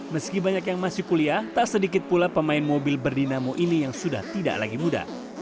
meski banyak yang masih kuliah tak sedikit pula pemain mobil berdinamo ini yang sudah tidak lagi muda